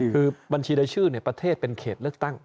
คือบัญชีรายชื่อประเทศเป็นเขตเลือกตั้ง